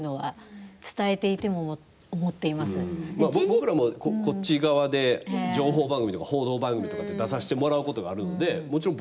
僕らも、こっち側で情報番組とか報道番組とかって出させてもらうことがあるのでもちろん